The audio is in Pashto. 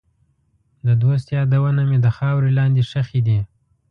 د دوست یادونه مې د خاورې لاندې ښخې دي.